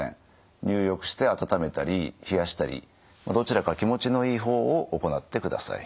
入浴して温めたり冷やしたりどちらか気持ちのいい方を行ってください。